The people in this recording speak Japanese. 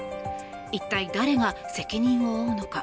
一体誰が責任を負うのか。